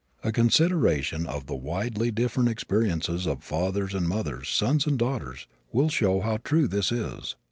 A consideration of the widely different experiences of fathers and mothers, sons and daughters, will show how true this is.